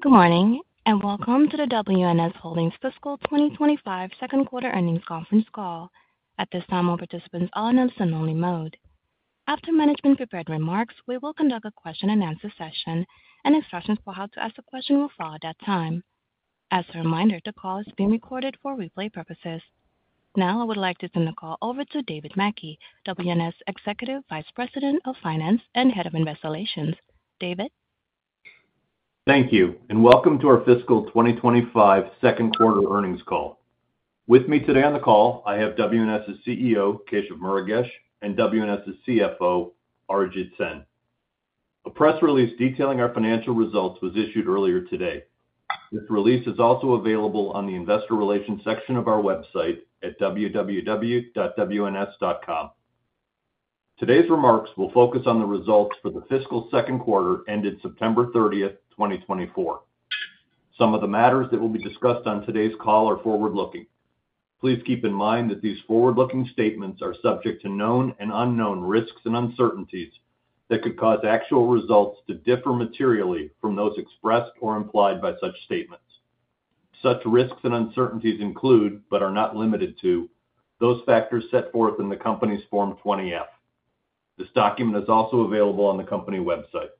Good morning, and welcome to the WNS Holdings fiscal 2025 second quarter earnings conference call. At this time, all participants are in listen-only mode. After management prepared remarks, we will conduct a question-and-answer session, and instructions for how to ask a question will follow at that time. As a reminder, the call is being recorded for replay purposes. Now, I would like to turn the call over to David Mackey, WNS Executive Vice President of Finance and Head of Investor Relations. David? Thank you, and welcome to our fiscal 2025 second quarter earnings call. With me today on the call, I have WNS's CEO, Keshav Murugesh, and WNS's CFO, Arijit Sen. A press release detailing our financial results was issued earlier today. This release is also available on the investor relations section of our website at www.wns.com. Today's remarks will focus on the results for the fiscal second quarter, ended September 30th, 2024. Some of the matters that will be discussed on today's call are forward-looking. Please keep in mind that these forward-looking statements are subject to known and unknown risks and uncertainties that could cause actual results to differ materially from those expressed or implied by such statements. Such risks and uncertainties include, but are not limited to, those factors set forth in the company's Form 20-F. This document is also available on the company website.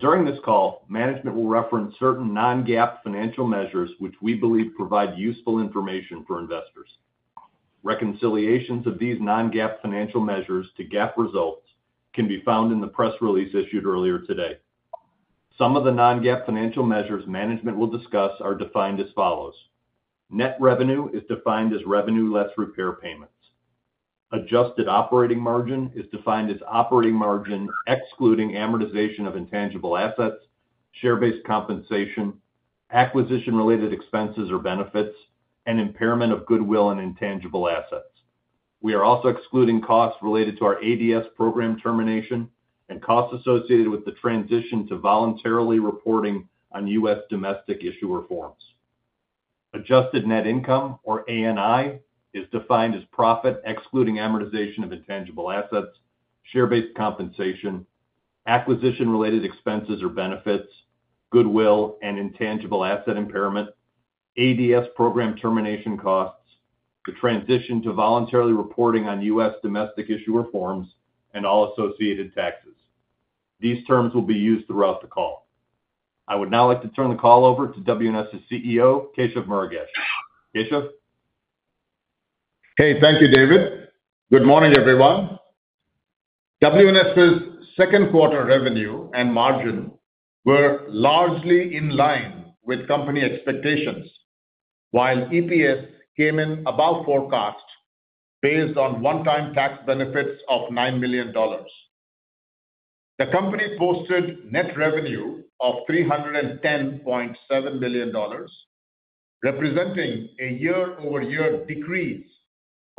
During this call, management will reference certain non-GAAP financial measures, which we believe provide useful information for investors. Reconciliations of these non-GAAP financial measures to GAAP results can be found in the press release issued earlier today. Some of the non-GAAP financial measures management will discuss are defined as follows: Net revenue is defined as revenue less repair payments. Adjusted operating margin is defined as operating margin, excluding amortization of intangible assets, share-based compensation, acquisition-related expenses or benefits, and impairment of goodwill and intangible assets. We are also excluding costs related to our ADS program termination and costs associated with the transition to voluntarily reporting on U.S. domestic issuer forms. Adjusted net income (ANI), is defined as profit, excluding amortization of intangible assets, share-based compensation, acquisition-related expenses or benefits, goodwill and intangible asset impairment, ADS program termination costs, the transition to voluntarily reporting on U.S. domestic issuer forms, and all associated taxes. These terms will be used throughout the call. I would now like to turn the call over to WNS's CEO, Keshav Murugesh. Keshav? Hey, thank you, David. Good morning, everyone. WNS's second quarter revenue and margin were largely in line with company expectations, while EPS came in above forecast, based on one-time tax benefits of $9 million. The company posted net revenue of $310.7 million, representing a year-over-year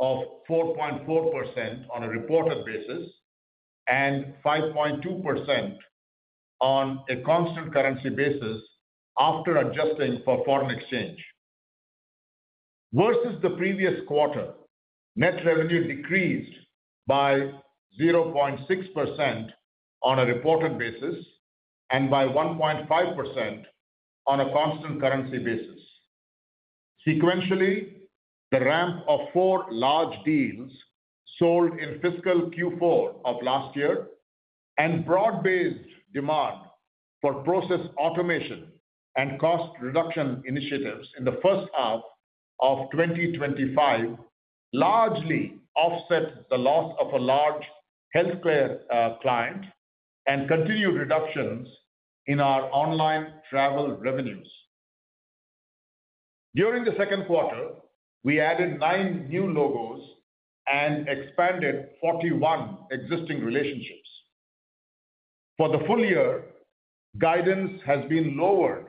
decrease of 4.4% on a reported basis and 5.2% on a constant currency basis after adjusting for foreign exchange. Versus the previous quarter, net revenue decreased by 0.6% on a reported basis and by 1.5% on a constant currency basis. Sequentially, the ramp of four large deals sold in fiscal Q4 of last year and broad-based demand for process automation and cost reduction initiatives in the first half of 2025 largely offset the loss of a large healthcare client and continued reductions in our online travel revenues. During the second quarter, we added nine new logos and expanded 41 existing relationships. For the full year, guidance has been lowered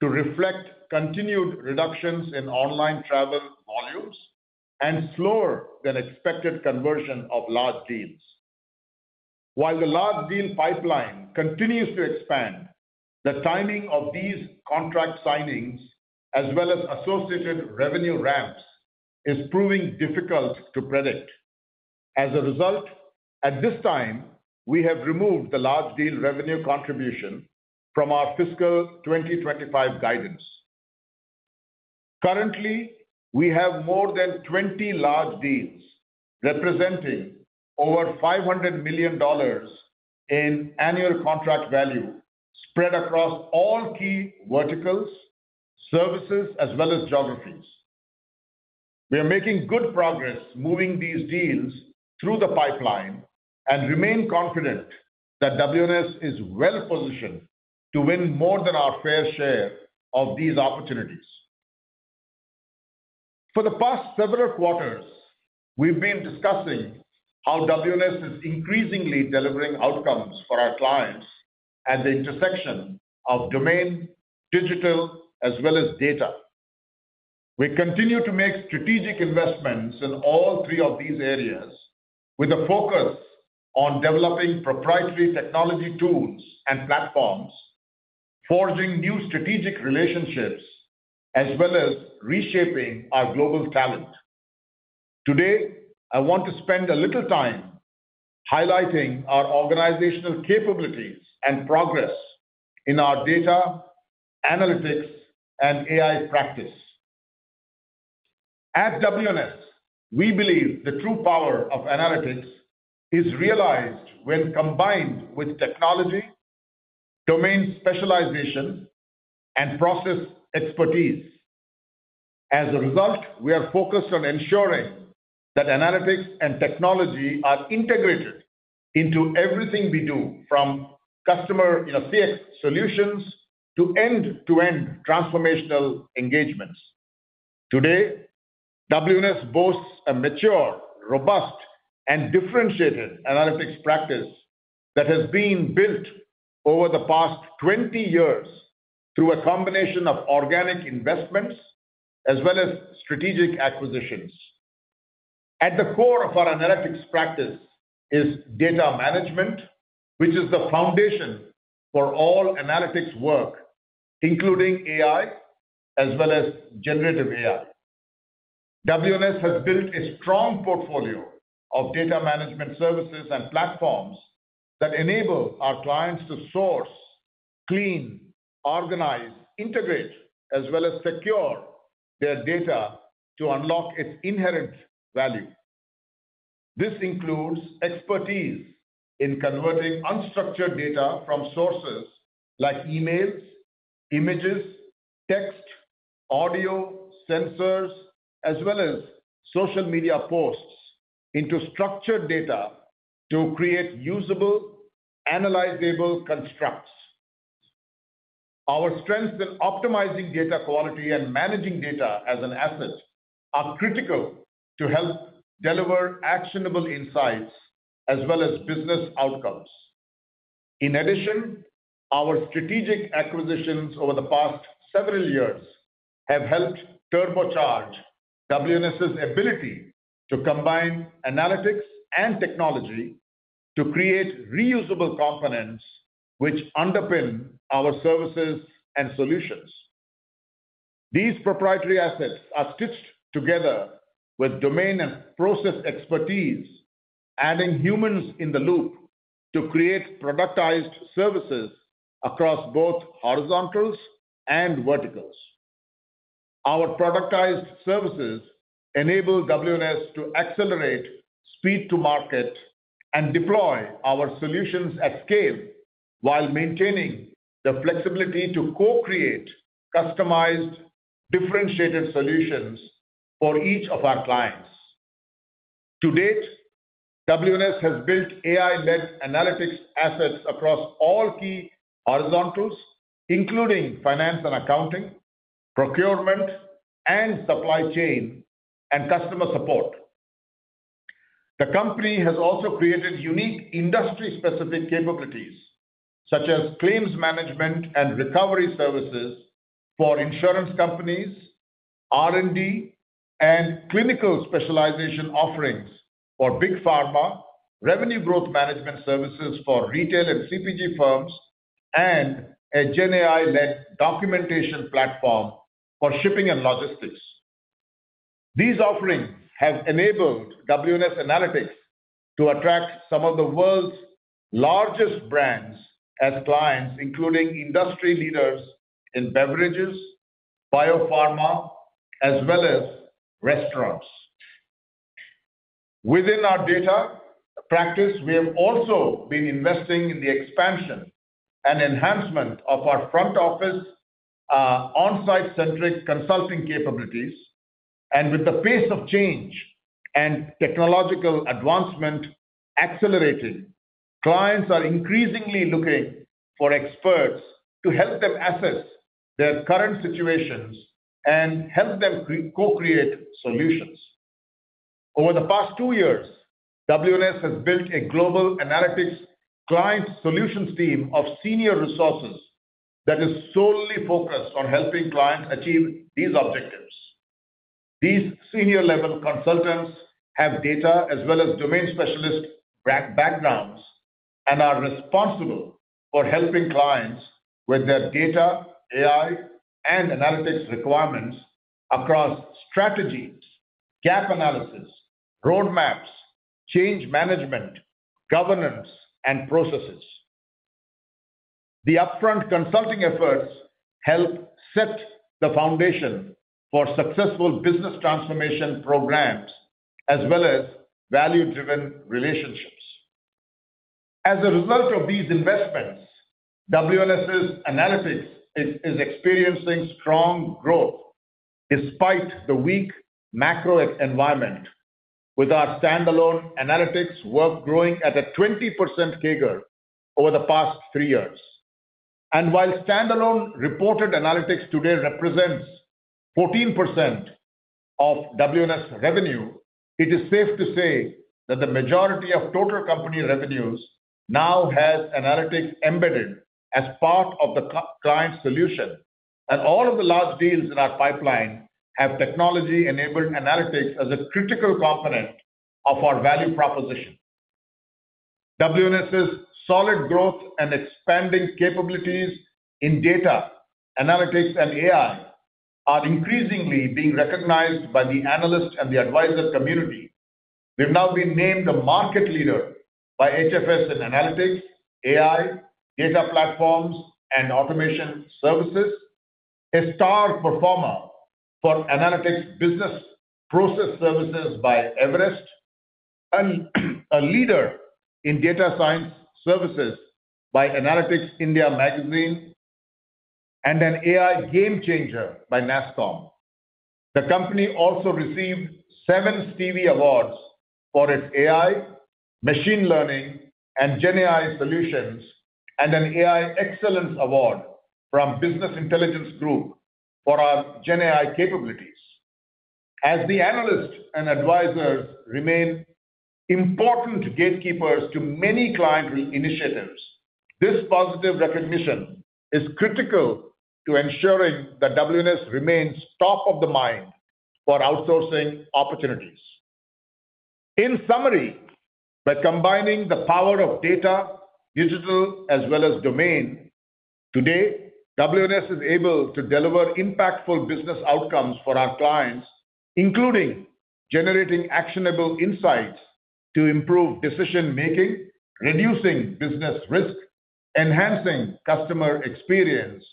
to reflect continued reductions in online travel volumes and slower than expected conversion of large deals. While the large deal pipeline continues to expand, the timing of these contract signings, as well as associated revenue ramps, is proving difficult to predict. As a result, at this time, we have removed the large deal revenue contribution from our fiscal 2025 guidance. Currently, we have more than 20 large deals, representing over $500 million in annual contract value, spread across all key verticals, services, as well as geographies. We are making good progress moving these deals through the pipeline and remain confident that WNS is well positioned to win more than our fair share of these opportunities. For the past several quarters, we've been discussing how WNS is increasingly delivering outcomes for our clients at the intersection of domain, digital, as well as data. We continue to make strategic investments in all three of these areas, with a focus on developing proprietary technology tools and platforms, forging new strategic relationships, as well as reshaping our global talent. Today, I want to spend a little time highlighting our organizational capabilities and progress in our data, analytics, and AI practice. At WNS, we believe the true power of analytics is realized when combined with technology, domain specialization, and process expertise. As a result, we are focused on ensuring that analytics and technology are integrated into everything we do, from customer, you know, CX solutions to end-to-end transformational engagements. Today, WNS boasts a mature, robust, and differentiated analytics practice that has been built over the past twenty years through a combination of organic investments as well as strategic acquisitions. At the core of our analytics practice is data management, which is the foundation for all analytics work, including AI as well as generative AI. WNS has built a strong portfolio of data management services and platforms that enable our clients to source, clean, organize, integrate, as well as secure their data to unlock its inherent value. This includes expertise in converting unstructured data from sources like emails, images, text, audio, sensors, as well as social media posts, into structured data to create usable, analyzable constructs. Our strengths in optimizing data quality and managing data as an asset are critical to help deliver actionable insights as well as business outcomes. In addition, our strategic acquisitions over the past several years have helped turbocharge WNS's ability to combine analytics and technology to create reusable components, which underpin our services and solutions. These proprietary assets are stitched together with domain and process expertise, adding humans in the loop to create productized services across both horizontals and verticals. Our productized services enable WNS to accelerate speed to market and deploy our solutions at scale, while maintaining the flexibility to co-create customized, differentiated solutions for each of our clients. To date, WNS has built AI-led analytics assets across all key horizontals, including finance and accounting, procurement, and supply chain, and customer support. The company has also created unique industry-specific capabilities, such as claims management and recovery services for insurance companies, R&D, and clinical specialization offerings for big pharma, revenue growth management services for retail and CPG firms, and a GenAI-led documentation platform for shipping and logistics. These offerings have enabled WNS analytics to attract some of the world's largest brands as clients, including industry leaders in beverages, biopharma, as well as restaurants. Within our data practice, we have also been investing in the expansion and enhancement of our front office, on-site centric consulting capabilities, and with the pace of change and technological advancement accelerating, clients are increasingly looking for experts to help them assess their current situations and help them co-create solutions. Over the past two years, WNS has built a global analytics client solutions team of senior resources that is solely focused on helping clients achieve these objectives. These senior level consultants have data as well as domain specialist backgrounds, and are responsible for helping clients with their data, AI, and analytics requirements across strategies, gap analysis, roadmaps, change management, governance, and processes. The upfront consulting efforts help set the foundation for successful business transformation programs as well as value-driven relationships. As a result of these investments, WNS's analytics is experiencing strong growth despite the weak macro environment, with our standalone analytics work growing at a 20% CAGR over the past three years. And while standalone reported analytics today represents 14% of WNS revenue, it is safe to say that the majority of total company revenues now has analytics embedded as part of the client solution. And all of the large deals in our pipeline have technology-enabled analytics as a critical component of our value proposition. WNS's solid growth and expanding capabilities in data, analytics, and AI are increasingly being recognized by the analyst and the advisor community. We've now been named a market leader by HFS in analytics, AI, data platforms, and automation services, a star performer for analytics business process services by Everest, and a leader in data science services by Analytics India Magazine, and an AI game changer by NASSCOM. The company also received seven Stevie Awards for its AI, machine learning, and GenAI solutions, and an AI Excellence Award from Business Intelligence Group for our GenAI capabilities. As the analysts and advisors remain important gatekeepers to many client initiatives, this positive recognition is critical to ensuring that WNS remains top of the mind for outsourcing opportunities. In summary, by combining the power of data, digital, as well as domain, today, WNS is able to deliver impactful business outcomes for our clients, including generating actionable insights to improve decision-making, reducing business risk, enhancing customer experience,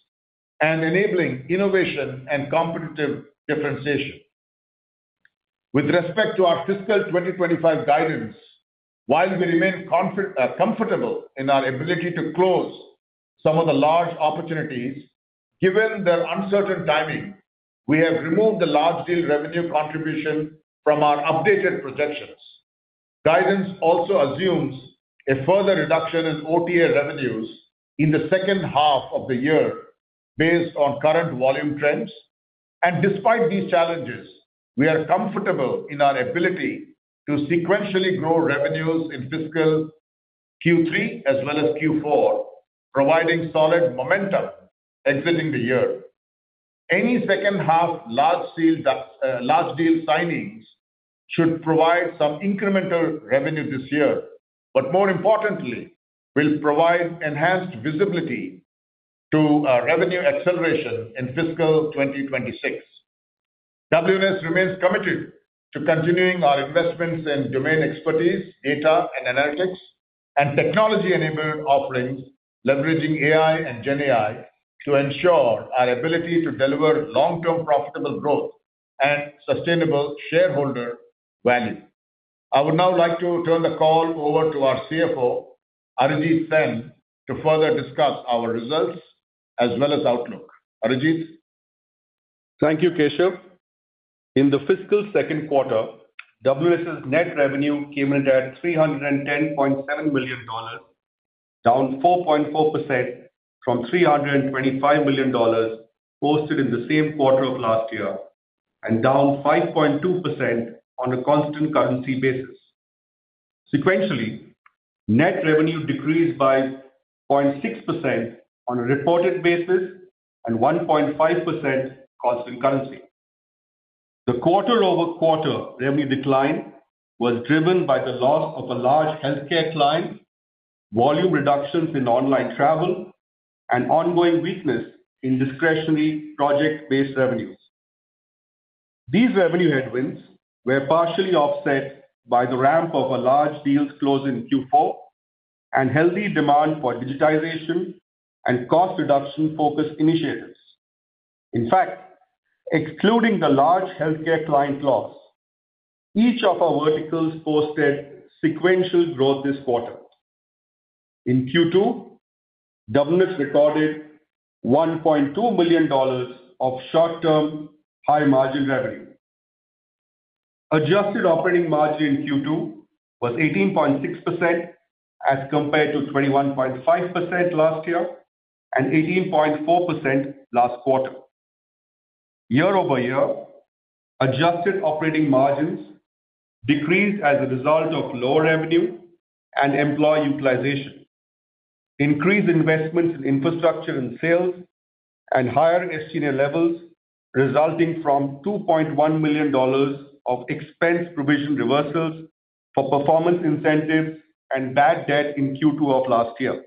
and enabling innovation and competitive differentiation. With respect to our fiscal 2025 guidance, while we remain comfortable in our ability to close some of the large opportunities, given their uncertain timing, we have removed the large deal revenue contribution from our updated projections. Guidance also assumes a further reduction in OTA revenues in the second half of the year based on current volume trends. And despite these challenges, we are comfortable in our ability to sequentially grow revenues in fiscal Q3 as well as Q4, providing solid momentum exiting the year. Any second half large-scale large deal signings should provide some incremental revenue this year, but more importantly, will provide enhanced visibility to revenue acceleration in fiscal 2026. WNS remains committed to continuing our investments in domain expertise, data and analytics, and technology-enabled offerings, leveraging AI and GenAI, to ensure our ability to deliver long-term profitable growth and sustainable shareholder value. I would now like to turn the call over to our CFO, Arijit Sen, to further discuss our results as well as outlook. Arijit? Thank you, Keshav. In the fiscal second quarter, WNS's net revenue came in at $310.7 million, down 4.4% from $325 million posted in the same quarter of last year, and down 5.2% on a constant currency basis. Sequentially, net revenue decreased by 0.6% on a reported basis and 1.5% constant currency. The quarter-over-quarter revenue decline was driven by the loss of a large healthcare client, volume reductions in online travel, and ongoing weakness in discretionary project-based revenues. These revenue headwinds were partially offset by the ramp of a large deal closed in Q4 and healthy demand for digitization and cost reduction-focused initiatives. In fact, excluding the large healthcare client loss, each of our verticals posted sequential growth this quarter. In Q2, WNS recorded $1.2 million of short-term, high-margin revenue. Adjusted operating margin in Q2 was 18.6%, as compared to 21.5% last year and 18.4% last quarter. Year-over-year adjusted operating margins decreased as a result of lower revenue and employee utilization, increased investments in infrastructure and sales, and higher SG&A levels, resulting from $2.1 million of expense provision reversals for performance incentives and bad debt in Q2 of last year.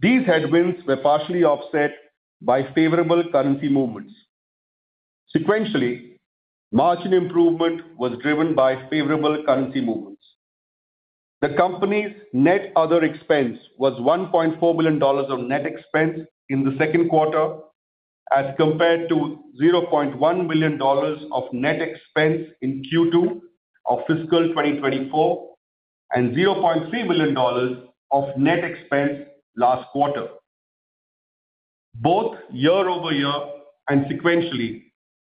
These headwinds were partially offset by favorable currency movements. Sequentially, margin improvement was driven by favorable currency movements. The company's net other expense was $1.4 million of net expense in the second quarter, as compared to $0.1 million of net expense in Q2 of fiscal 2024, and $0.3 million of net expense last quarter. Both year-over-year and sequentially,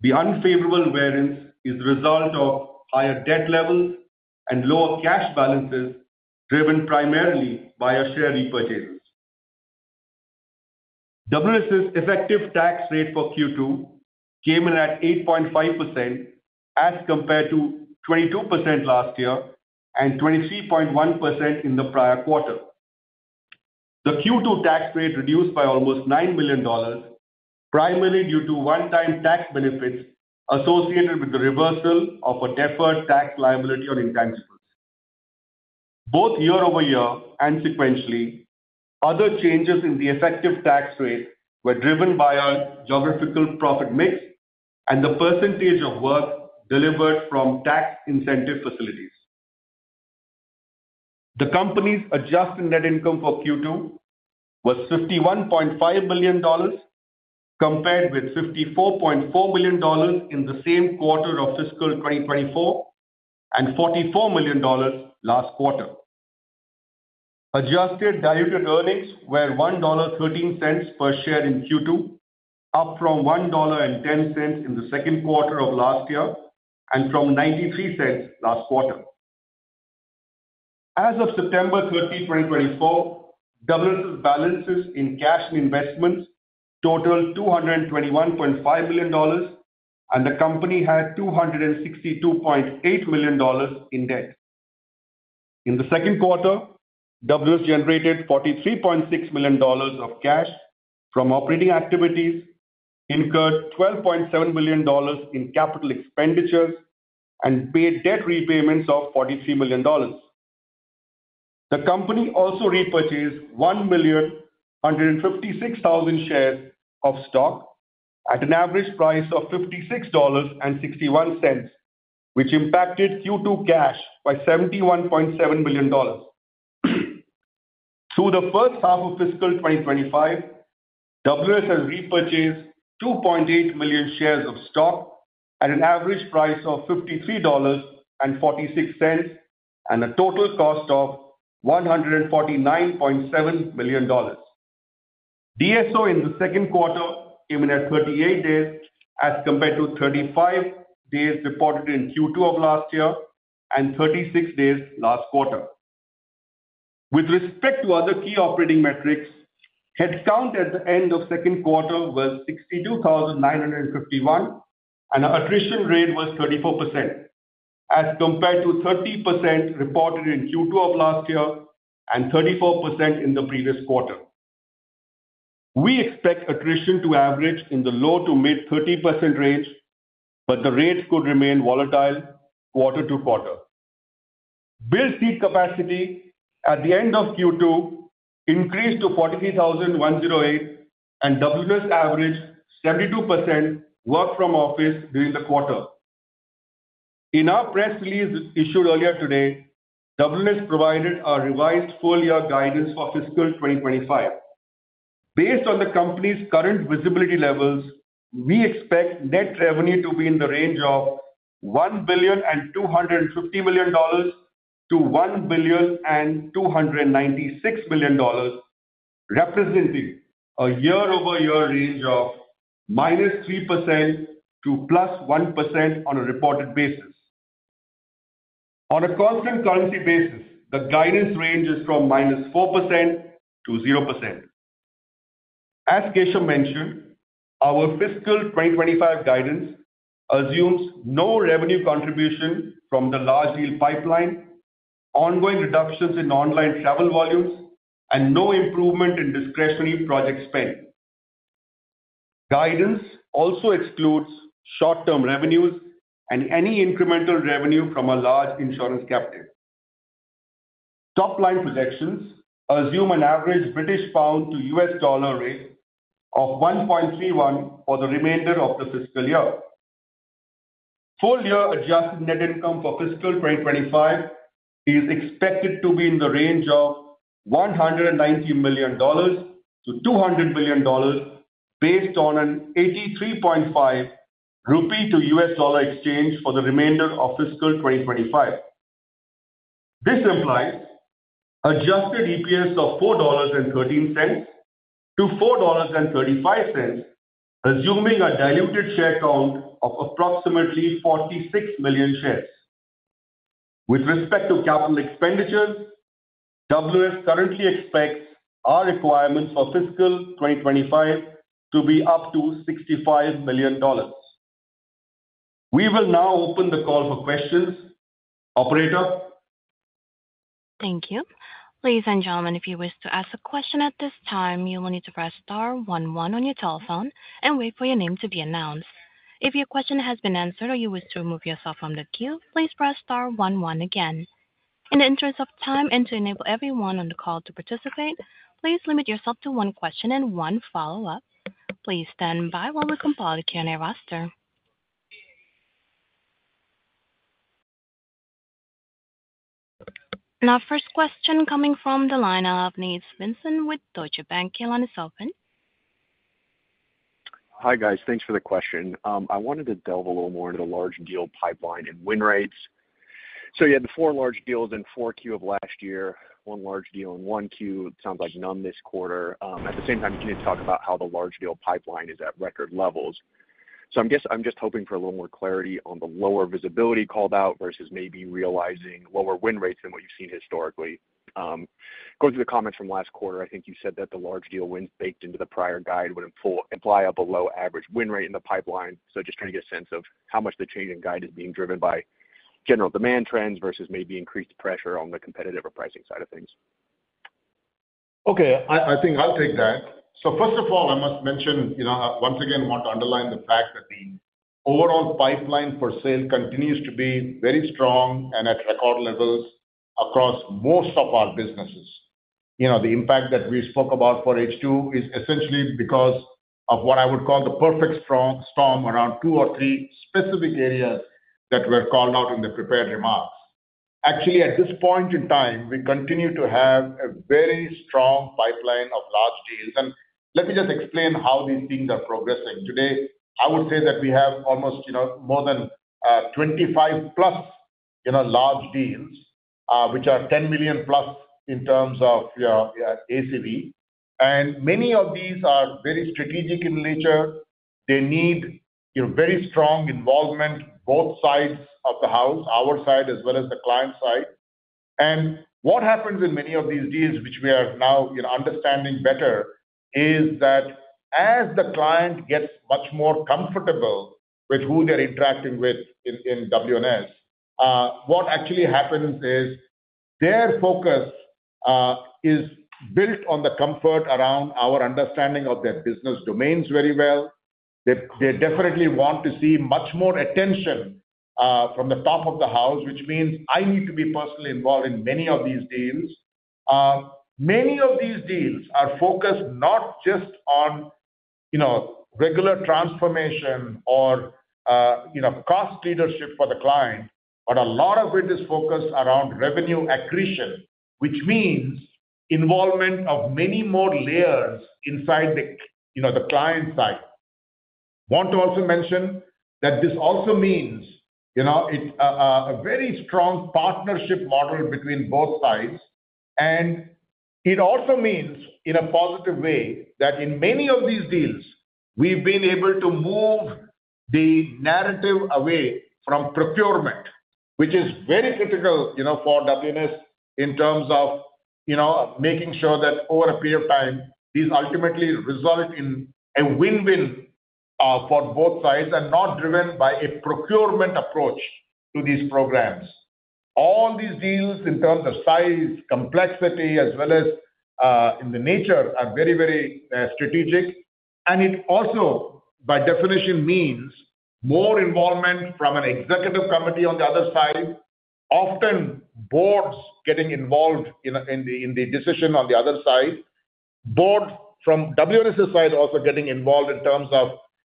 the unfavorable variance is the result of higher debt levels and lower cash balances, driven primarily by our share repurchases. WNS's effective tax rate for Q2 came in at 8.5%, as compared to 22% last year and 23.1% in the prior quarter. The Q2 tax rate reduced by almost $9 million, primarily due to one-time tax benefits associated with the reversal of a deferred tax liability on income tax. Both year-over-year and sequentially, other changes in the effective tax rate were driven by our geographical profit mix and the percentage of work delivered from tax incentive facilities. The company's adjusted net income for Q2 was $51.5 million, compared with $54.4 million in the same quarter of fiscal 2024, and $44 million last quarter. Adjusted diluted earnings were $1.13 per share in Q2, up from $1.10 in the second quarter of last year and from $0.93 last quarter. As of September 30, 2024, WNS's balances in cash and investments totaled $221.5 million, and the company had $262.8 million in debt. In the second quarter, WNS generated $43.6 million of cash from operating activities, incurred $12.7 million in capital expenditures, and paid debt repayments of $43 million. The company also repurchased 1,156,000 shares of stock at an average price of $56.61, which impacted Q2 cash by $71.7 million. Through the first half of fiscal 2025, WNS has repurchased 2.8 million shares of stock at an average price of $53.46, and a total cost of $149.7 million. DSO in the second quarter came in at 38 days, as compared to 35 days reported in Q2 of last year and 36 days last quarter. With respect to other key operating metrics, headcount at the end of second quarter was 62,951, and our attrition rate was 34%, as compared to 30% reported in Q2 of last year and 34% in the previous quarter. We expect attrition to average in the low- to mid-30% range, but the rates could remain volatile quarter to quarter. Built seat capacity at the end of Q2 increased to 43,108, and WNS averaged 72% work from office during the quarter. In our press release issued earlier today, WNS provided a revised full year guidance for fiscal 2025. Based on the company's current visibility levels, we expect net revenue to be in the range of $1.25 billion to $1.296 billion, representing a year-over-year range of -3% to +1% on a reported basis. On a constant currency basis, the guidance range is from -4% to 0%. As Keshav mentioned, our fiscal 2025 guidance assumes no revenue contribution from the large deal pipeline, ongoing reductions in online travel volumes, and no improvement in discretionary project spend. Guidance also excludes short-term revenues and any incremental revenue from a large insurance captive. Top-line projections assume an average GBP to USD rate of 1.31 for the remainder of the fiscal year. Full year adjusted net income for fiscal 2025 is expected to be in the range of $190 million-$200 million, based on an 83.5 rupee to USD exchange for the remainder of fiscal 2025. This implies adjusted EPS of $4.13-$4.35, assuming a diluted share count of approximately 46 million shares. With respect to capital expenditures, WNS currently expects our requirements for fiscal 2025 to be up to $65 million. We will now open the call for questions. Operator? Thank you. Ladies and gentlemen, if you wish to ask a question at this time, you will need to press star one one on your telephone and wait for your name to be announced. If your question has been answered or you wish to remove yourself from the queue, please press star one one again. In the interest of time and to enable everyone on the call to participate, please limit yourself to one question and one follow-up. Please stand by while we compile the Q&A roster. Our first question coming from the line of Nate Svensson with Deutsche Bank. Your line is open. Hi, guys. Thanks for the question. I wanted to delve a little more into the large deal pipeline and win rates. So you had the four large deals in 4Q of last year, one large deal in 1Q. It sounds like none this quarter. At the same time, you need to talk about how the large deal pipeline is at record levels. So I'm just hoping for a little more clarity on the lower visibility called out versus maybe realizing lower win rates than what you've seen historically. Going through the comments from last quarter, I think you said that the large deal wins baked into the prior guide would imply up a low average win rate in the pipeline. So just trying to get a sense of how much the change in guide is being driven by general demand trends versus maybe increased pressure on the competitive or pricing side of things? Okay, I think I'll take that. So first of all, I must mention, you know, once again, want to underline the fact that the overall pipeline for sale continues to be very strong and at record levels across most of our businesses. You know, the impact that we spoke about for H2 is essentially because of what I would call the perfect strong storm around two or three specific areas that were called out in the prepared remarks. Actually, at this point in time, we continue to have a very strong pipeline of large deals and let me just explain how these things are progressing. Today, I would say that we have almost, you know, more than 25+, you know, large deals, which are 10 million+ in terms of, yeah, ACV. And many of these are very strategic in nature. They need, you know, very strong involvement, both sides of the house, our side as well as the client side. And what happens in many of these deals, which we are now, you know, understanding better, is that as the client gets much more comfortable with who they're interacting with in WNS, what actually happens is their focus is built on the comfort around our understanding of their business domains very well. They definitely want to see much more attention from the top of the house, which means I need to be personally involved in many of these deals. Many of these deals are focused not just on, you know, regular transformation or, you know, cost leadership for the client, but a lot of it is focused around revenue accretion, which means involvement of many more layers inside the, you know, the client side. Want to also mention that this also means, you know, it's a, a very strong partnership model between both sides, and it also means, in a positive way, that in many of these deals, we've been able to move the narrative away from procurement, which is very critical, you know, for WNS in terms of, you know, making sure that over a period of time, these ultimately result in a win-win, for both sides and not driven by a procurement approach to these programs. All these deals in terms of size, complexity, as well as in the nature, are very, very strategic. And it also, by definition, means more involvement from an executive committee on the other side, often boards getting involved in the decision on the other side, board from WNS's side also getting involved in terms of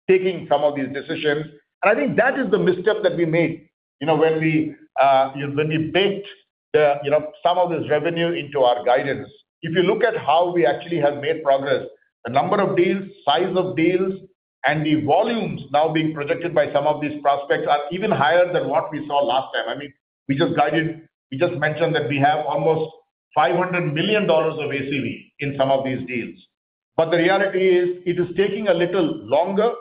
taking some of these decisions. And I think that is the misstep that we made, you know, when we baked the, you know, some of this revenue into our guidance. If you look at how we actually have made progress, the number of deals, size of deals, and the volumes now being projected by some of these prospects are even higher than what we saw last time. I mean, we just guided—we just mentioned that we have almost $500 million of ACV in some of these deals. But the reality is, it is taking a little longer,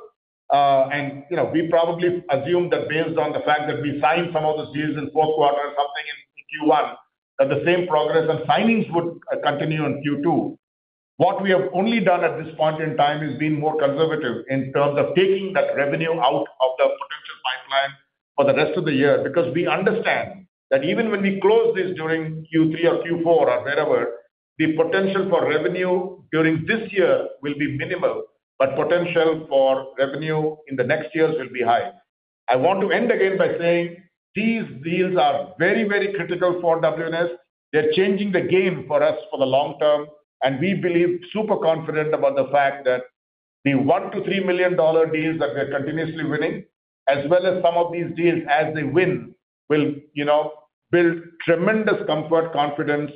and, you know, we probably assumed that based on the fact that we signed some of those deals in fourth quarter or something in Q1, that the same progress and signings would continue in Q2. What we have only done at this point in time is been more conservative in terms of taking that revenue out of the potential pipeline for the rest of the year, because we understand that even when we close this during Q3 or Q4 or wherever, the potential for revenue during this year will be minimal, but potential for revenue in the next years will be high. I want to end again by saying these deals are very, very critical for WNS. They're changing the game for us for the long term, and we believe super confident about the fact that the $1 million-$3 million deals that we're continuously winning, as well as some of these deals as they win, will, you know, build tremendous comfort, confidence,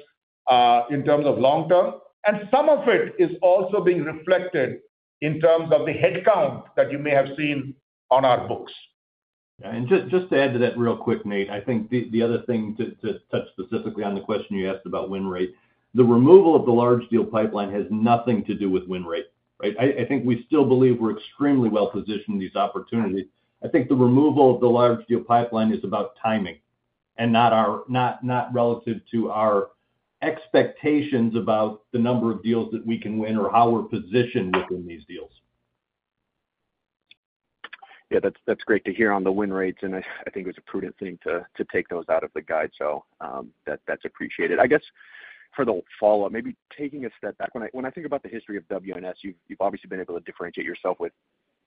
in terms of long term, and some of it is also being reflected in terms of the headcount that you may have seen on our books. Just to add to that real quick, Nate, I think the other thing to touch specifically on the question you asked about win rate, the removal of the large deal pipeline has nothing to do with win rate, right? I think we still believe we're extremely well positioned in these opportunities. I think the removal of the large deal pipeline is about timing and not relative to our expectations about the number of deals that we can win or how we're positioned within these deals. Yeah, that's great to hear on the win rates, and I think it was a prudent thing to take those out of the guide. So, that's appreciated. I guess for the follow-up, maybe taking a step back, when I think about the history of WNS, you've obviously been able to differentiate yourself with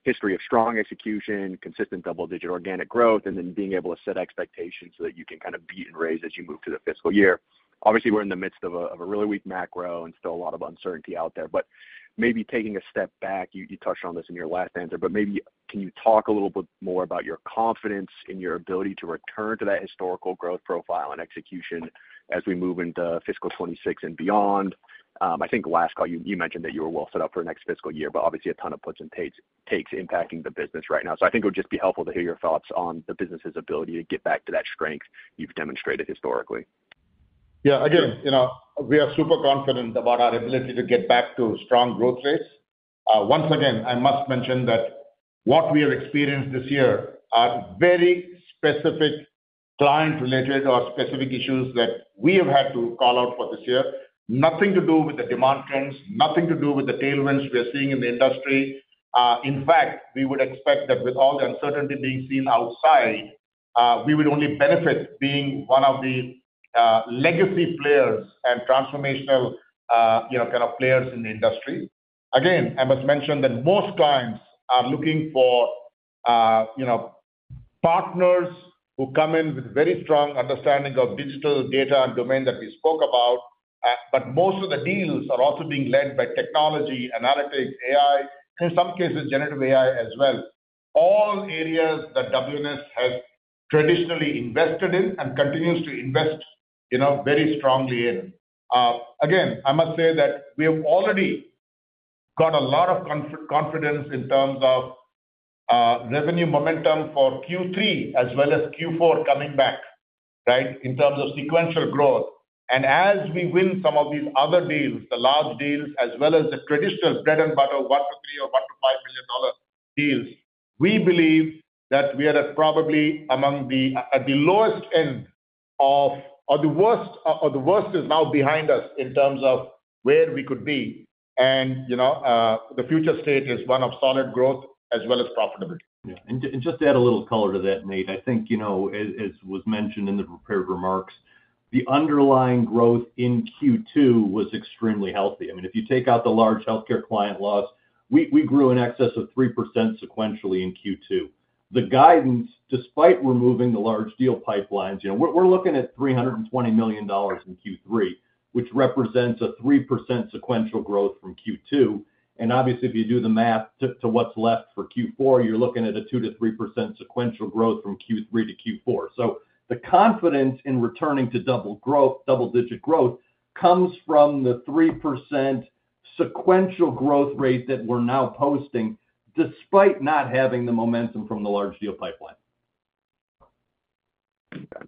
history of strong execution, consistent double-digit organic growth, and then being able to set expectations so that you can kind of beat and raise as you move to the fiscal year. Obviously, we're in the midst of a really weak macro and still a lot of uncertainty out there. But maybe taking a step back, you touched on this in your last answer, but maybe can you talk a little bit more about your confidence in your ability to return to that historical growth profile and execution as we move into fiscal 2026 and beyond? I think last call, you mentioned that you were well set up for next fiscal year, but obviously a ton of puts and takes impacting the business right now. So I think it would just be helpful to hear your thoughts on the business's ability to get back to that strength you've demonstrated historically. Yeah. Again, you know, we are super confident about our ability to get back to strong growth rates. Once again, I must mention that what we have experienced this year are very specific client related or specific issues that we have had to call out for this year. Nothing to do with the demand trends, nothing to do with the tailwinds we are seeing in the industry. In fact, we would expect that with all the uncertainty being seen outside, we would only benefit being one of the legacy players and transformational, you know, kind of players in the industry. Again, I must mention that most clients are looking for, you know, partners who come in with very strong understanding of digital data and domain that we spoke about. But most of the deals are also being led by technology, analytics, AI, in some cases, generative AI as well. All areas that WNS has traditionally invested in and continues to invest, you know, very strongly in. Again, I must say that we have already got a lot of confidence in terms of revenue momentum for Q3 as well as Q4 coming back, right, in terms of sequential growth. And as we win some of these other deals, the large deals, as well as the traditional bread and butter, $1 million-$3 million or $1 million-$5 million deals, we believe that we are at probably among the at the lowest end of, or the worst, or the worst is now behind us in terms of where we could be. You know, the future state is one of solid growth as well as profitability. Yeah. And to, and just to add a little color to that, Nate, I think, you know, as, as was mentioned in the prepared remarks, the underlying growth in Q2 was extremely healthy. I mean, if you take out the large healthcare client loss, we, we grew in excess of 3% sequentially in Q2. The guidance, despite removing the large deal pipelines, you know, we're, we're looking at $320 million in Q3, which represents a 3% sequential growth from Q2. And obviously, if you do the math to, to what's left for Q4, you're looking at a 2%-3% sequential growth from Q3 to Q4. So the confidence in returning to double growth, double-digit growth comes from the 3% sequential growth rate that we're now posting, despite not having the momentum from the large deal pipeline.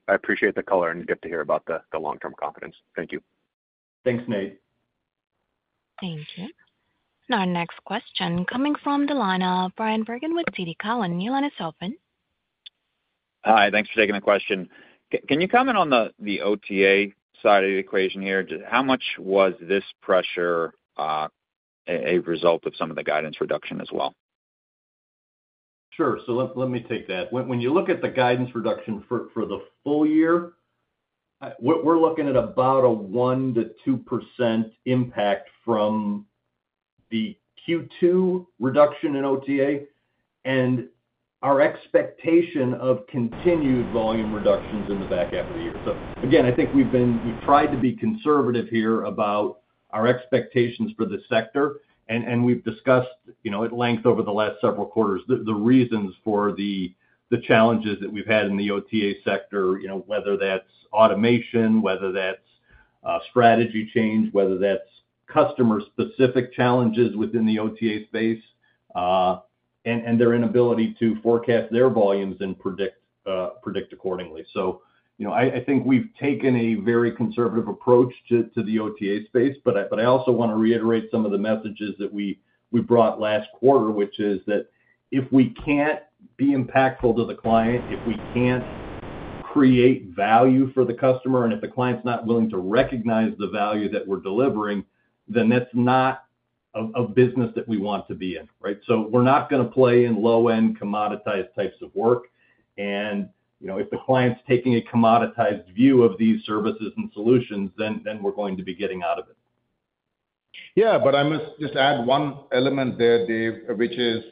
I appreciate the color, and good to hear about the long-term confidence. Thank you. Thanks, Nate. Thank you. Our next question coming from the line of Bryan Bergin with TD Cowen. Bryan, your line is open. Hi, thanks for taking the question. Can you comment on the OTA side of the equation here? Just how much was this pressure a result of some of the guidance reduction as well? Sure. So let me take that. When you look at the guidance reduction for the full year, we're looking at about a 1%-2% impact from the Q2 reduction in OTA and our expectation of continued volume reductions in the back half of the year. So again, I think we've been. We've tried to be conservative here about our expectations for the sector, and we've discussed, you know, at length over the last several quarters, the reasons for the challenges that we've had in the OTA sector, you know, whether that's automation, whether that's strategy change, whether that's customer-specific challenges within the OTA space, and their inability to forecast their volumes and predict accordingly. So, you know, I think we've taken a very conservative approach to the OTA space, but I also wanna reiterate some of the messages that we brought last quarter, which is that if we can't be impactful to the client, if we can't create value for the customer, and if the client's not willing to recognize the value that we're delivering, then that's not a business that we want to be in, right? So we're not gonna play in low-end commoditized types of work, and, you know, if the client's taking a commoditized view of these services and solutions, then we're going to be getting out of it. Yeah, but I must just add one element there, Dave, which is,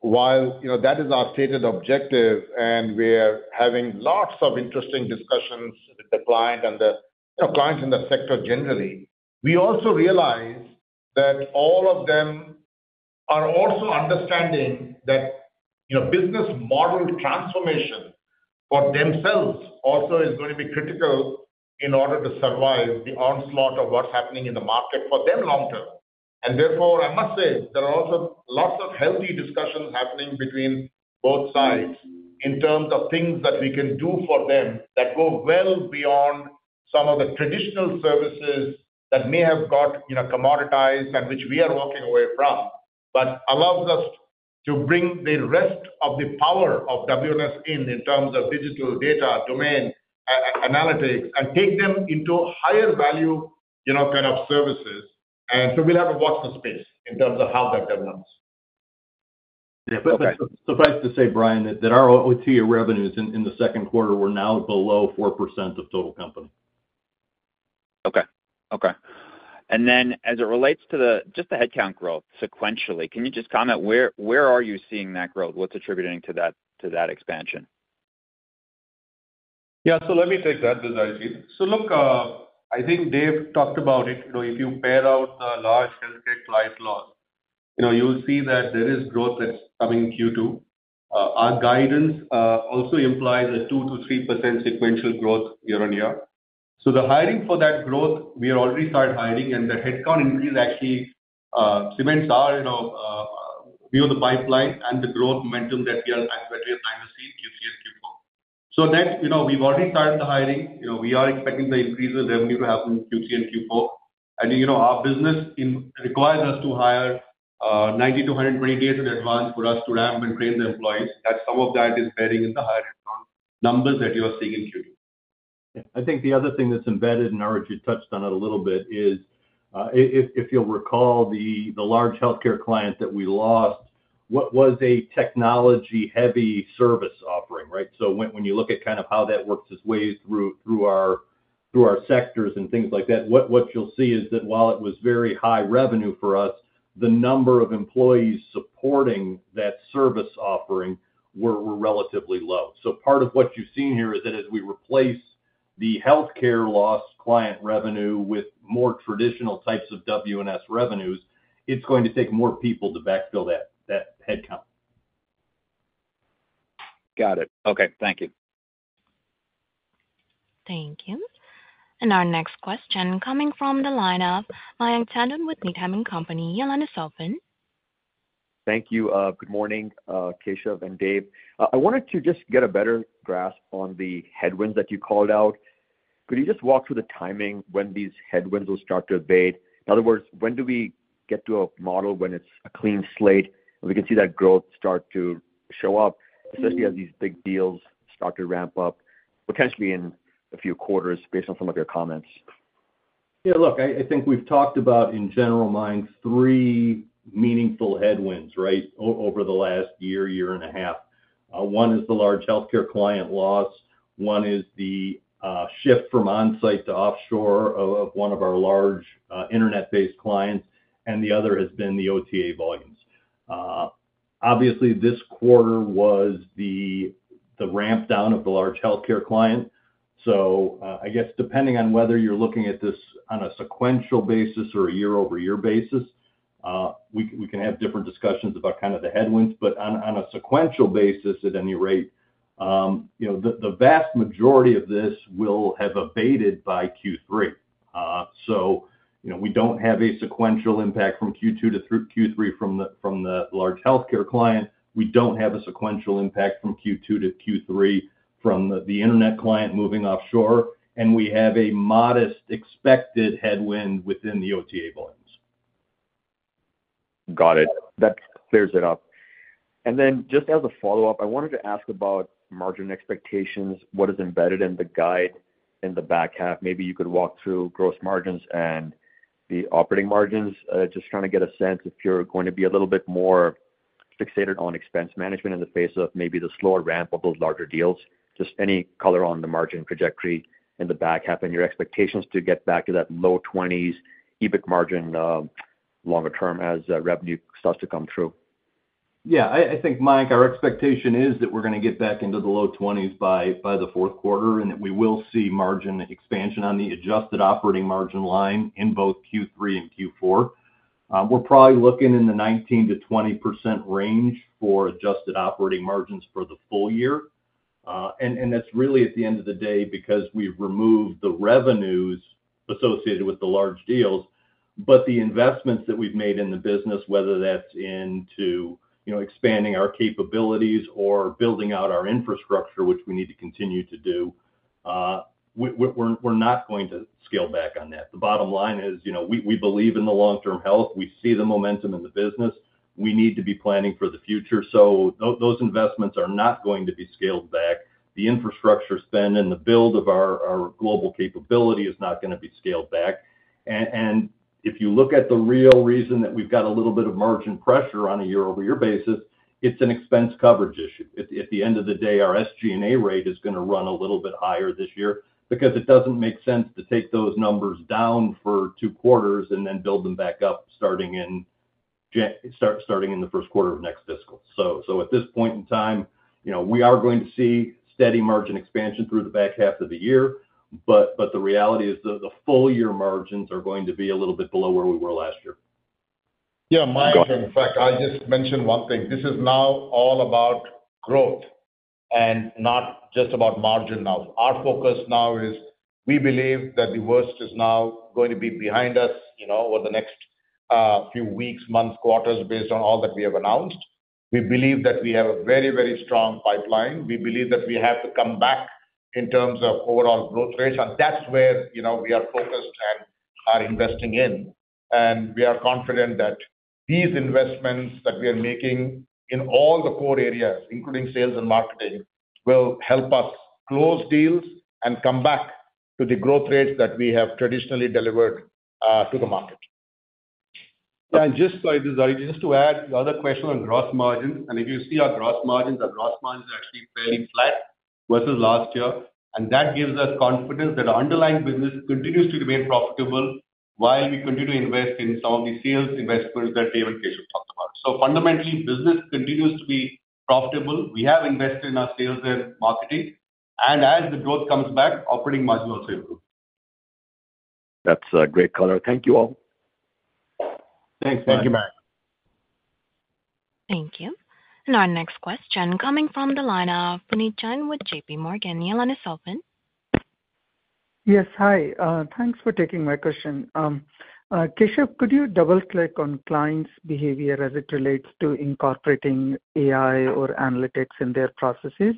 while, you know, that is our stated objective, and we are having lots of interesting discussions with the client and the, you know, clients in the sector generally, we also realize that all of them are also understanding that, you know, business model transformation for themselves also is going to be critical in order to survive the onslaught of what's happening in the market for them long term. Therefore, I must say, there are also lots of healthy discussions happening between both sides in terms of things that we can do for them that go well beyond some of the traditional services that may have got, you know, commoditized and which we are walking away from, but allows us to bring the rest of the power of WNS in, in terms of digital data, domain, analytics, and take them into higher value, you know, kind of services, and so we'll have to watch the space in terms of how that develops. Yeah, okay. Suffice to say, Bryan, that our OTA revenues in the second quarter were now below 4% of total company. Okay. Okay. And then, as it relates to the... just the headcount growth sequentially, can you just comment where are you seeing that growth? What's attributing to that expansion? Yeah, so let me take that, this is Arjit. So look, I think Dave talked about it. You know, if you back out the large healthcare client loss, you know, you'll see that there is growth that's coming in Q2. Our guidance also implies a 2%-3% sequential growth year on year. So the hiring for that growth, we already started hiring, and the headcount increase actually cements our, you know, view of the pipeline and the growth momentum that we are actually trying to see in Q3 and Q4. So next, you know, we've already started the hiring. You know, we are expecting the increase in revenue to happen in Q3 and Q4. And, you know, our business requires us to hire 90 to 120 days in advance for us to ramp and train the employees. That some of that is bearing in the higher headcount numbers that you are seeing in Q2. I think the other thing that's embedded, and Arjit touched on it a little bit, is, if you'll recall, the large healthcare client that we lost, what was a technology-heavy service offering, right? So when you look at kind of how that works its ways through our sectors and things like that, what you'll see is that while it was very high revenue for us, the number of employees supporting that service offering were relatively low. So part of what you've seen here is that as we replace the healthcare lost client revenue with more traditional types of WNS revenues, it's going to take more people to backfill that headcount. Got it. Okay, thank you. Thank you. And our next question coming from the line of Mayank Tandon with Needham & Company. Your line is open. Thank you. Good morning, Keshav and Dave. I wanted to just get a better grasp on the headwinds that you called out. Could you just walk through the timing when these headwinds will start to abate? In other words, when do we get to a model when it's a clean slate, and we can see that growth start to show up, especially as these big deals start to ramp up, potentially in a few quarters based on some of your comments? Yeah, look, I think we've talked about, in general, I mean, three meaningful headwinds, right? Over the last year and a half. One is the large healthcare client loss, one is the shift from onsite to offshore of one of our large internet-based clients, and the other has been the OTA volumes. Obviously, this quarter was the ramp down of the large healthcare client. So, I guess, depending on whether you're looking at this on a sequential basis or a year-over-year basis, we can have different discussions about kind of the headwinds. But on a sequential basis, at any rate, you know, the vast majority of this will have abated by Q3. So, you know, we don't have a sequential impact from Q2 through Q3 from the large healthcare client. We don't have a sequential impact from Q2 to Q3 from the internet client moving offshore, and we have a modest expected headwind within the OTA volumes. Got it. That clears it up. And then just as a follow-up, I wanted to ask about margin expectations. What is embedded in the guide in the back half? Maybe you could walk through gross margins and the operating margins. Just trying to get a sense if you're going to be a little bit more fixated on expense management in the face of maybe the slower ramp of those larger deals. Just any color on the margin trajectory in the back half, and your expectations to get back to that low twenties EBIT margin longer term as revenue starts to come through. Yeah, I think, Mayank, our expectation is that we're going to get back into the low twenties by the fourth quarter, and that we will see margin expansion on the adjusted operating margin line in both Q3 and Q4. We're probably looking in the 19%-20% range for adjusted operating margins for the full year. And that's really at the end of the day because we've removed the revenues associated with the large deals. But the investments that we've made in the business, whether that's into, you know, expanding our capabilities or building out our infrastructure, which we need to continue to do, we're not going to scale back on that. The bottom line is, you know, we believe in the long-term health. We see the momentum in the business. We need to be planning for the future. So those investments are not going to be scaled back. The infrastructure spend and the build of our global capability is not going to be scaled back. And if you look at the real reason that we've got a little bit of margin pressure on a year-over-year basis, it's an expense coverage issue. At the end of the day, our SG&A rate is going to run a little bit higher this year because it doesn't make sense to take those numbers down for two quarters and then build them back up, starting in the first quarter of next fiscal. So, at this point in time, you know, we are going to see steady margin expansion through the back half of the year, but the reality is the full year margins are going to be a little bit below where we were last year. Yeah, Mayank- Go ahead. In fact, I just mention one thing. This is now all about growth and not just about margin now. Our focus now is we believe that the worst is now going to be behind us, you know, over the next few weeks, months, quarters, based on all that we have announced. We believe that we have a very, very strong pipeline. We believe that we have to come back in terms of overall growth rates, and that's where, you know, we are focused and are investing in. And we are confident that these investments that we are making in all the core areas, including sales and marketing, will help us close deals and come back to the growth rates that we have traditionally delivered to the market. Just to add to the other question on gross margins, if you see our gross margins, our gross margin is actually fairly flat versus last year. That gives us confidence that our underlying business continues to remain profitable while we continue to invest in some of the sales investments that Dave and Keshav talked about. Fundamentally, business continues to be profitable. We have invested in our sales and marketing, and as the growth comes back, operating margin will also improve. That's a great color. Thank you, all. Thanks, Mayank. Thank you, Mayank. Thank you. And our next question coming from the line of Puneet Jain with JPMorgan. Your line is open. Yes, hi. Thanks for taking my question. Keshav, could you double-click on clients' behavior as it relates to incorporating AI or analytics in their processes?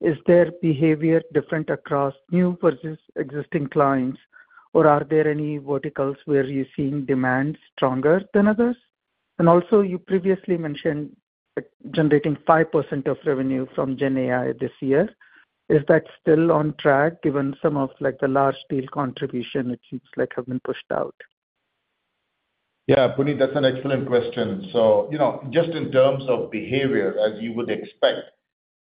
Is their behavior different across new versus existing clients, or are there any verticals where you're seeing demand stronger than others? And also you previously mentioned generating 5% of revenue from GenAI this year. Is that still on track, given some of, like, the large deal contribution it seems like have been pushed out? Yeah, Puneet, that's an excellent question. So, you know, just in terms of behavior, as you would expect,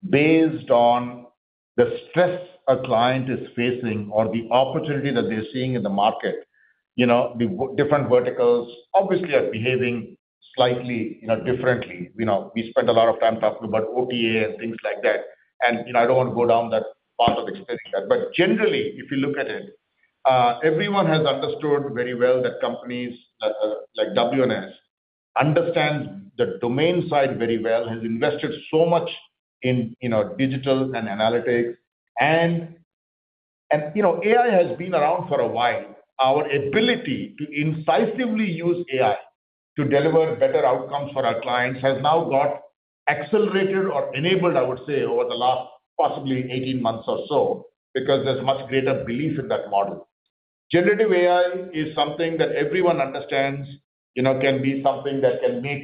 based on the stress a client is facing or the opportunity that they're seeing in the market, you know, the different verticals obviously are behaving slightly, you know, differently. You know, we spent a lot of time talking about OTA and things like that, and, you know, I don't want to go down that path of explaining that. But generally, if you look at it, everyone has understood very well that companies like, like WNS understand the domain side very well, has invested so much in, you know, digital and analytics. And, you know, AI has been around for a while. Our ability to incisively use AI to deliver better outcomes for our clients has now got accelerated or enabled, I would say, over the last possibly eighteen months or so, because there's much greater belief in that model. Generative AI is something that everyone understands, you know, can be something that can make,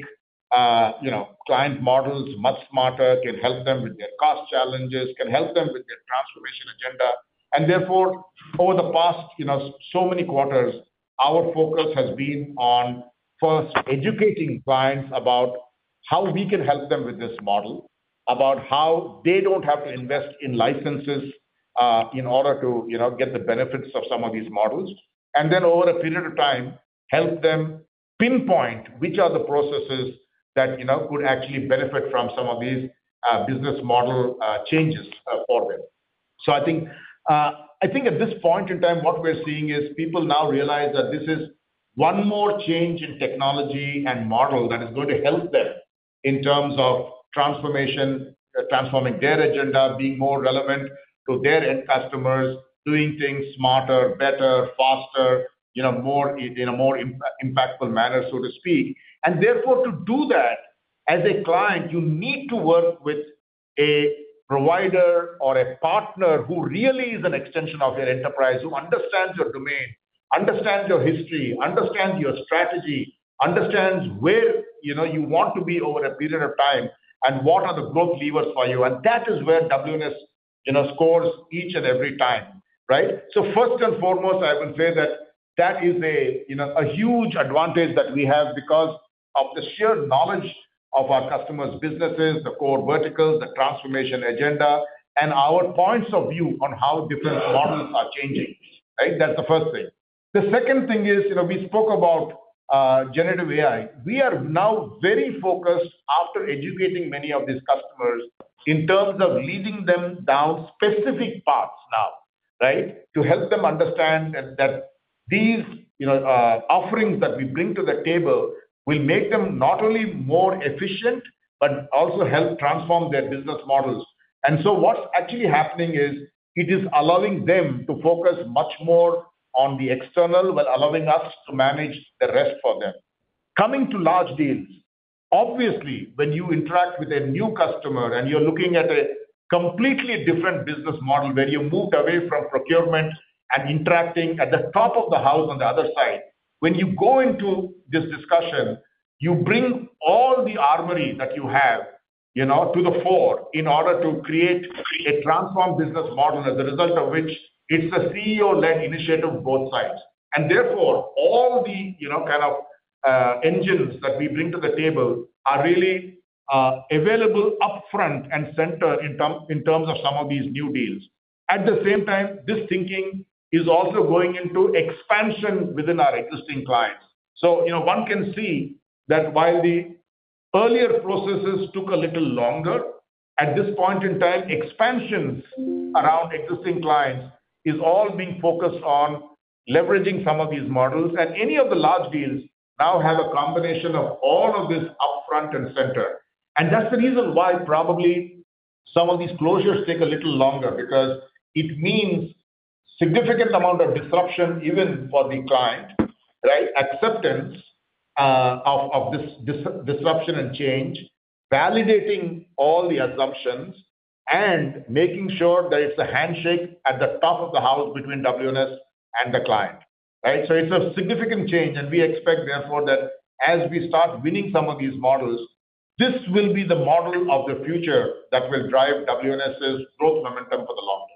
you know, client models much smarter, can help them with their cost challenges, can help them with their transformation agenda. And therefore, over the past, you know, so many quarters, our focus has been on, first, educating clients about how we can help them with this model, about how they don't have to invest in licenses, in order to, you know, get the benefits of some of these models, and then over a period of time, help them pinpoint which are the processes that, you know, could actually benefit from some of these, business model changes for them. So I think, I think at this point in time, what we're seeing is people now realize that this is one more change in technology and model that is going to help them in terms of transformation, transforming their agenda, being more relevant to their end customers, doing things smarter, better, faster, you know, more impactful manner, so to speak. And therefore, to do that, as a client, you need to work with a provider or a partner who really is an extension of your enterprise, who understands your domain, understands your history, understands your strategy, understands where, you know, you want to be over a period of time, and what are the growth levers for you. And that is where WNS, you know, scores each and every time, right? So first and foremost, I will say that that is a, you know, a huge advantage that we have because of the sheer knowledge of our customers' businesses, the core verticals, the transformation agenda, and our points of view on how different models are changing, right? That's the first thing. The second thing is, you know, we spoke about generative AI. We are now very focused after educating many of these customers in terms of leading them down specific paths now, right? To help them understand that these, you know, offerings that we bring to the table will make them not only more efficient but also help transform their business models. So what's actually happening is, it is allowing them to focus much more on the external, while allowing us to manage the rest for them. Coming to large deals, obviously, when you interact with a new customer and you're looking at a completely different business model, where you moved away from procurement and interacting at the top of the house on the other side, when you go into this discussion, you bring all the armory that you have, you know, to the fore in order to create a transformed business model, as a result of which it's a CEO-led initiative, both sides. And therefore, all the, you know, kind of, engines that we bring to the table are really, available up front and center in terms of some of these new deals. At the same time, this thinking is also going into expansion within our existing clients. You know, one can see that while the earlier processes took a little longer, at this point in time, expansions around existing clients is all being focused on leveraging some of these models. And any of the large deals now have a combination of all of this up front and center. And that's the reason why probably some of these closures take a little longer, because it means significant amount of disruption even for the client, right? Acceptance of this disruption and change, validating all the assumptions and making sure that it's a handshake at the top of the house between WNS and the client, right? So it's a significant change, and we expect, therefore, that as we start winning some of these models, this will be the model of the future that will drive WNS's growth momentum for the long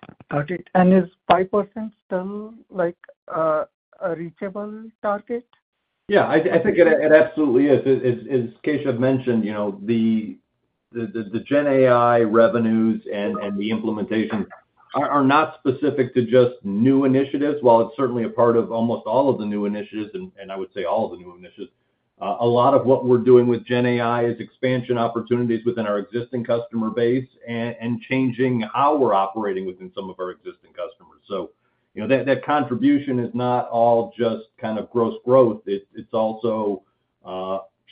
term. Got it. And is 5% still, like, a reachable target? Yeah, I think it absolutely is. As Keshav mentioned, you know, the GenAI revenues and the implementations are not specific to just new initiatives, while it's certainly a part of almost all of the new initiatives, and I would say all of the new initiatives. A lot of what we're doing with GenAI is expansion opportunities within our existing customer base and changing how we're operating within some of our existing customers. So, you know, that contribution is not all just kind of gross growth. It's also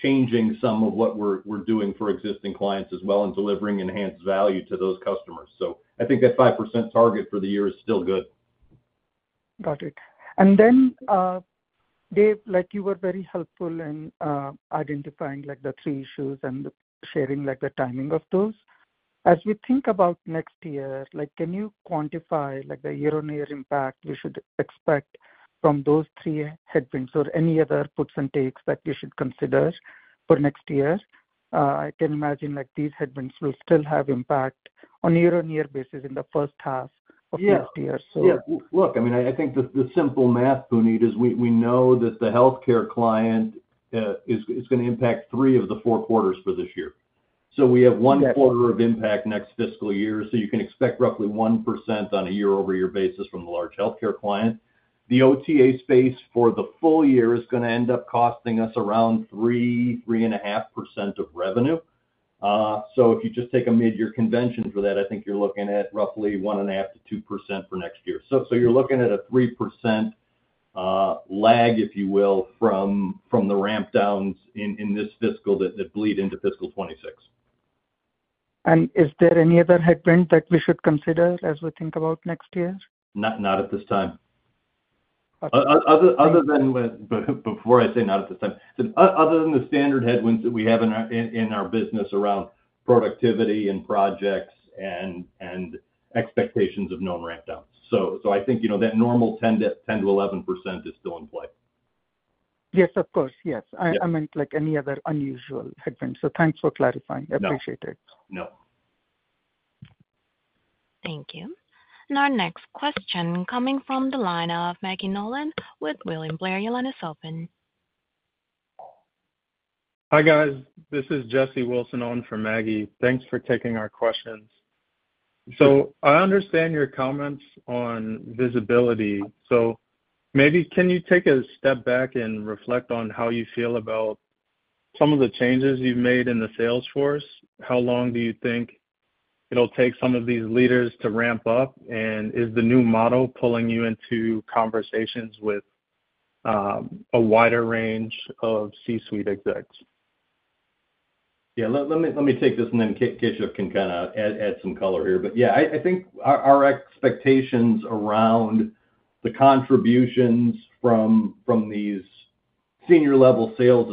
changing some of what we're doing for existing clients as well and delivering enhanced value to those customers. So I think that 5% target for the year is still good. Got it. And then, Dave, like, you were very helpful in identifying, like, the three issues and sharing, like, the timing of those. As we think about next year, like, can you quantify, like, the year-on-year impact we should expect from those three headwinds or any other puts and takes that we should consider for next year? I can imagine, like, these headwinds will still have impact on year-on-year basis in the first half of next year, so- Yeah. Yeah, look, I mean, I think the simple math, Puneet, is we know that the healthcare client is gonna impact three of the four quarters for this year. So we have one quarter of impact next fiscal year, so you can expect roughly 1% on a year-over-year basis from the large healthcare client. The OTA space for the full year is gonna end up costing us around 3%-3.5% of revenue. So if you just take a mid-year convention for that, I think you're looking at roughly 1.5%-2% for next year. So you're looking at a 3% lag, if you will, from the ramp downs in this fiscal that bleed into fiscal 2026. Is there any other headwind that we should consider as we think about next year? Not, not at this time. Okay. Before I say not at this time, other than the standard headwinds that we have in our business around productivity and projects and expectations of known ramp downs. So I think, you know, that normal 10%-11% is still in play. Yes, of course. Yes. Yeah. I meant, like, any other unusual headwinds, so thanks for clarifying. No. Appreciate it. No. Thank you. And our next question coming from the line of Maggie Nolan with William Blair. Your line is open. Hi, guys. This is Jesse Wilson on for Maggie. Thanks for taking our questions. So I understand your comments on visibility. So maybe can you take a step back and reflect on how you feel about some of the changes you've made in the sales force? How long do you think it'll take some of these leaders to ramp up? And is the new model pulling you into conversations with a wider range of C-suite execs? Yeah, let me take this, and then Keshav can kinda add some color here. But, yeah, I think our expectations around the contributions from these senior-level sales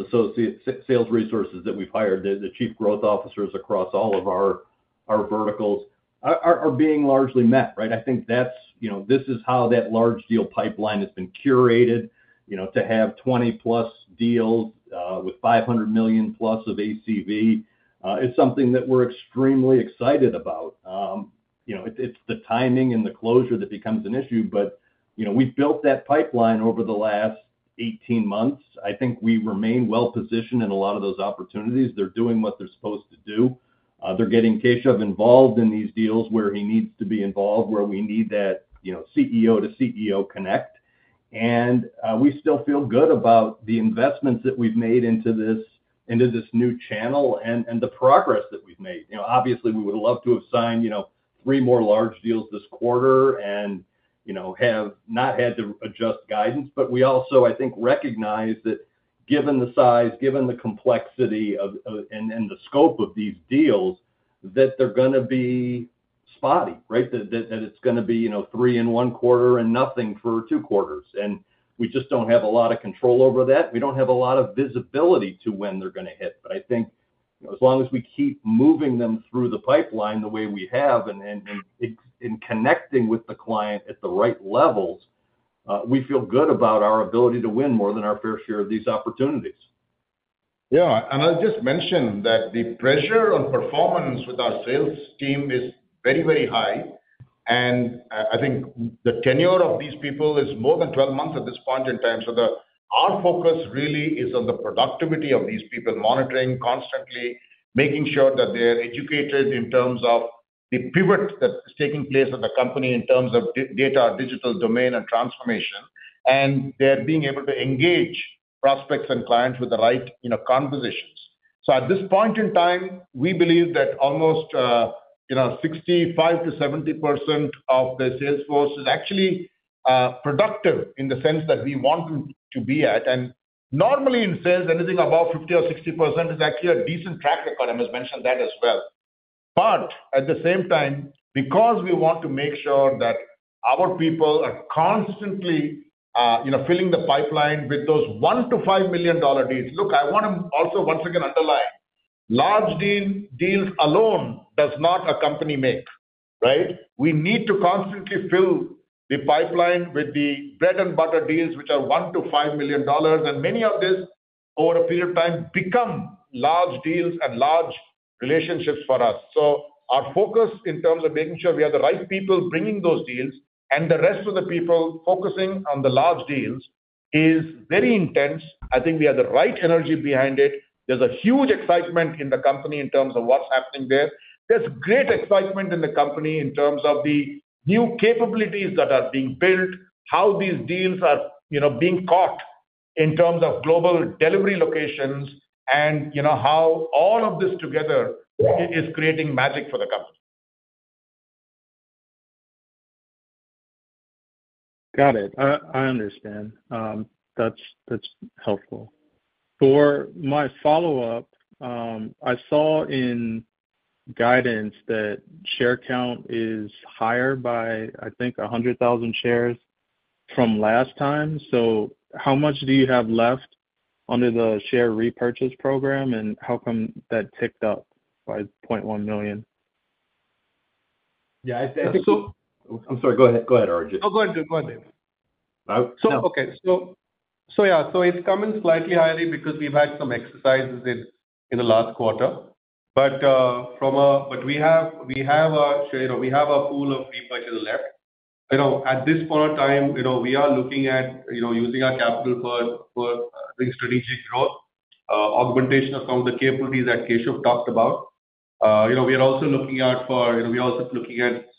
resources that we've hired, the chief growth officers across all of our verticals, are being largely met, right? I think that's, you know, this is how that large deal pipeline has been curated, you know, to have 20+ deals with 500 million+ of ACV is something that we're extremely excited about. You know, it's the timing and the closure that becomes an issue, but, you know, we've built that pipeline over the last 18 months. I think we remain well-positioned in a lot of those opportunities. They're doing what they're supposed to do. They're getting Keshav involved in these deals where he needs to be involved, where we need that, you know, CEO to CEO connect. And we still feel good about the investments that we've made into this, into this new channel and, and the progress that we've made. You know, obviously, we would love to have signed, you know, three more large deals this quarter and, you know, have not had to adjust guidance. But we also, I think, recognize that given the size, given the complexity of, and, and the scope of these deals, that they're gonna be spotty, right? That, that it's gonna be, you know, three in one quarter and nothing for two quarters. And we just don't have a lot of control over that. We don't have a lot of visibility to when they're gonna hit. But I think, as long as we keep moving them through the pipeline the way we have and connecting with the client at the right levels, we feel good about our ability to win more than our fair share of these opportunities. Yeah, and I'll just mention that the pressure on performance with our sales team is very, very high, and I think the tenure of these people is more than 12 months at this point in time. So our focus really is on the productivity of these people, monitoring constantly, making sure that they are educated in terms of the pivot that is taking place at the company in terms of data, digital domain and transformation, and they're being able to engage prospects and clients with the right, you know, conversations. So at this point in time, we believe that almost, you know, 65%-70% of the sales force is actually productive in the sense that we want them to be at. And normally in sales, anything above 50% or 60% is actually a decent track record, and I mentioned that as well. But at the same time, because we want to make sure that our people are constantly, you know, filling the pipeline with those $1 million-$5 million deals... Look, I want to also once again underline, large deal, deals alone does not a company make, right? We need to constantly fill the pipeline with the bread-and-butter deals, which are $1 million-$5 million, and many of this, over a period of time, become large deals and large relationships for us. So our focus, in terms of making sure we have the right people bringing those deals and the rest of the people focusing on the large deals, is very intense. I think we have the right energy behind it. There's a huge excitement in the company in terms of what's happening there. There's great excitement in the company in terms of the new capabilities that are being built, how these deals are, you know, being caught in terms of global delivery locations, and you know, how all of this together is creating magic for the company. Got it. I understand. That's helpful. For my follow-up, I saw in guidance that share count is higher by, I think, 100,000 shares from last time. So how much do you have left under the share repurchase program, and how come that ticked up by 0.1 million? Yeah, I think so- I'm sorry. Go ahead. Go ahead, Arijit. No, go ahead. Go ahead, Dave. Oh, no. Okay. So yeah, so it's coming slightly higher because we've had some exercises in the last quarter. But we have a pool of repurchase left. You know, at this point in time, you know, we are looking at using our capital for the strategic growth augmentation of some of the capabilities that Keshav talked about. You know, we are also looking at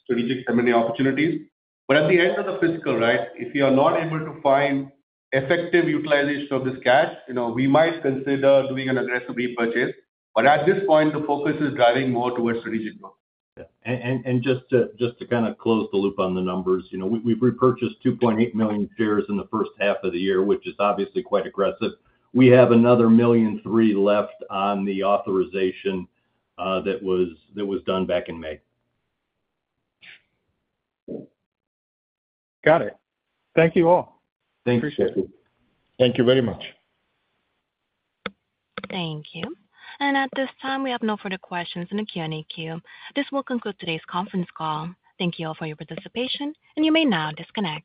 strategic M&A opportunities. But at the end of the fiscal, right, if we are not able to find effective utilization of this cash, you know, we might consider doing an aggressive repurchase. But at this point, the focus is driving more towards strategic growth. Yeah, and just to kind of close the loop on the numbers, you know, we've repurchased 2.8 million shares in the first half of the year, which is obviously quite aggressive. We have another 1.3 million left on the authorization that was done back in May. Got it. Thank you, all. Thanks. Thank you very much. Thank you. And at this time, we have no further questions in the Q&A queue. This will conclude today's conference call. Thank you all for your participation, and you may now disconnect.